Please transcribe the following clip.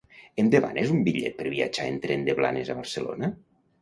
Em demanes un bitllet per viatjar en tren de Blanes a Barcelona?